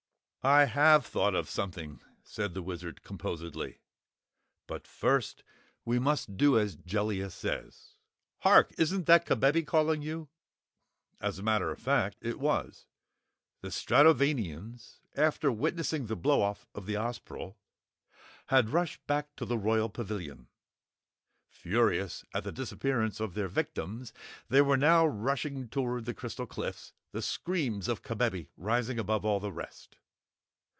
"I have thought of something!" said the Wizard, composedly. "But first we must do as Jellia says. HARK! Isn't that Kabebe calling you?" As a matter of fact, it was. The Stratovanians, after witnessing the blow off of the Ozpril, had rushed back to the Royal Pavilion. Furious at the disappearance of their victims, they now were rushing toward the crystal cliffs, the screams of Kabebe rising above all the rest.